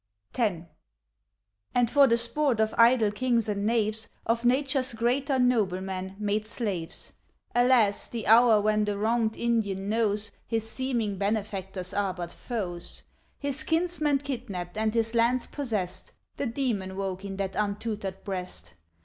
X. And for the sport of idle kings and knaves Of Nature's greater noblemen, made slaves. Alas, the hour, when the wronged Indian knows His seeming benefactors are but foes. His kinsmen kidnapped and his lands possessed, The demon woke in that untutored breast.